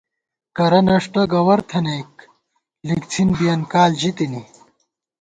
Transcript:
کرہ نݭٹہ گوَر تھنَئیک، لِک څِھن بِیَن کال ژی تِنی